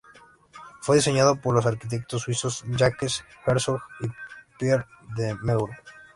Fue diseñado por los arquitectos suizos Jacques Herzog y Pierre de Meuron.